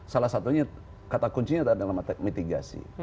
salah satunya kata kuncinya adalah mitigasi